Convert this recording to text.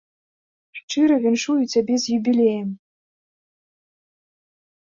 Шчыра віншую цябе з юбілеем.